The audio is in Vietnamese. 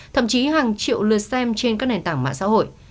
thậm chí hàng triệu lượt xem trên các nền tảng mạng xã hội